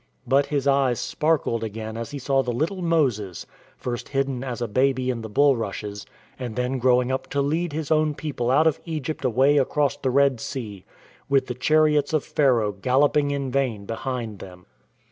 But his eyes sparkled again as he saw the little Moses, first hidden as a baby in the bulrushes, and then growing up to lead his own people out of Egypt away across the Red Sea, with the chariots of Pharaoh galloping in vain behind them.